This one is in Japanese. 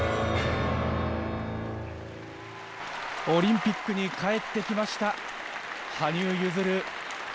オリンピックに帰ってきました、羽生結弦。